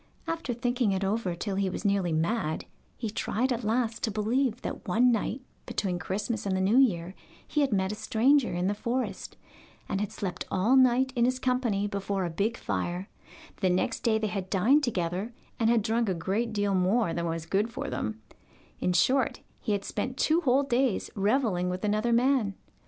After thinking it over till he was nearly mad, he tried at last to believe that one night between Christmas and the New Year he had met a stranger in the forest, and had slept all night in his company before a big fire; the next day they had dined together, and had drunk a great deal more than was good for them in short, he had spent two whole days revelling with another man.